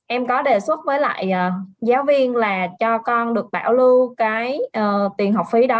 em có đề xuất với lại giáo viên là cho con được bảo lưu cái tiền học phí đó